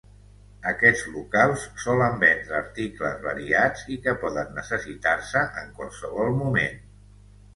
Aquests locals solen vendre articles variats i que poden necessitar-se en qualsevol moment.